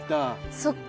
そっか。